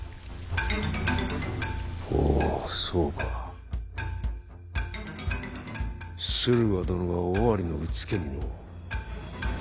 ほうそうか駿河殿が尾張のうつけにのう。